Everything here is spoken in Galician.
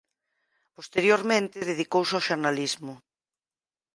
Posteriormente dedicouse ao xornalismo.